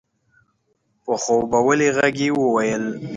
په خوبولي غږ يې وويل؛